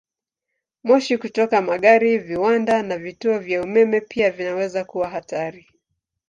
Moshi kutoka magari, viwanda, na vituo vya umeme pia vinaweza kuwa hatari.